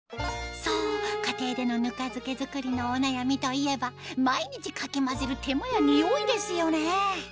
そう家庭でのぬか漬け作りのお悩みといえば毎日かき混ぜる手間やにおいですよね